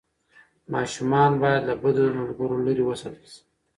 ماشومان باید له بدو ملګرو لرې وساتل شي.